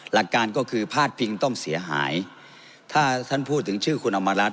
หลักการก็คือพาดพิงต้องเสียหายถ้าท่านพูดถึงชื่อคุณอำมารัฐ